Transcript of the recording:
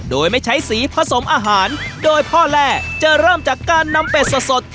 โดยไม่ใช้สีผสมอาหารโดยพ่อแร่จะเริ่มจากการนำเป็ดสด